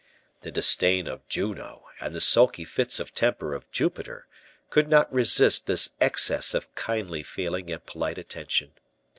The disdain of Juno and the sulky fits of temper of Jupiter could not resist this excess of kindly feeling and polite attention.